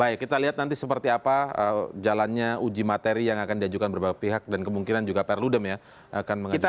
baik kita lihat nanti seperti apa jalannya uji materi yang akan diajukan berbagai pihak dan kemungkinan juga perludem ya akan mengajukan